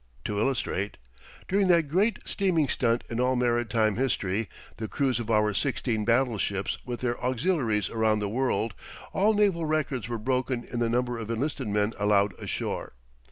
To illustrate: During that greatest steaming stunt in all maritime history the cruise of our sixteen battleships with their auxiliaries around the world all naval records were broken in the number of enlisted men allowed ashore.